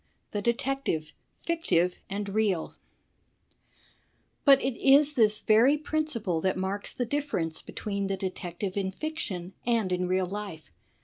The Detective — Fictive and Real But it is this very principle that marks the difference between the detective in fiction and in real life.